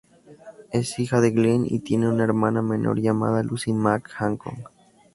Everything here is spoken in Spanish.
Es hija de Glenn, y tiene una hermana menor llamada Lucy Mack-Hancock.